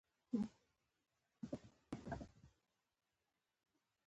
دوی به هلته په ګډه نڅاوې کولې.